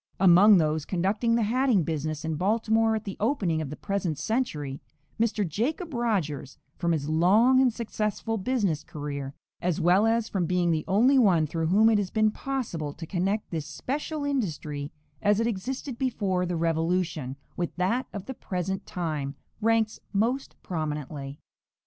Among those conducting the hatting business in Baltimore at the opening of the present century, Mr. Jacob Rogers, from his long and successful business career, as well as from being the only one through whom it has been possible to connect this special industry as it existed before the Revolution, with that of the present time, ranks most prominently.